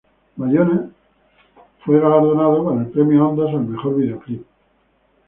Bayona fueron galardonados con el Premio Ondas al mejor videoclip.